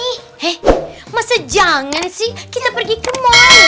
eh masa jangan sih kita pergi ke mall